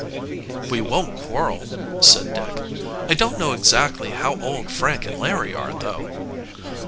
"We won't quarrel," said Dick. "I don't how exactly how old Frank and Larry are, though."